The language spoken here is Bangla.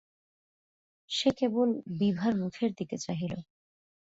সে কেবল বিভার মুখের দিকে চাহিল।